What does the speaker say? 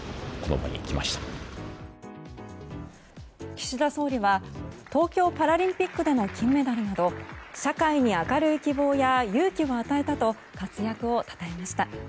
岸田総理は東京パラリンピックでの金メダルなど社会に明るい希望や勇気を与えたと活躍をたたえました。